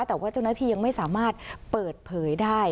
แต่ว่าเจ้าหน้าที่ยังไม่สามารถเปิดเผยได้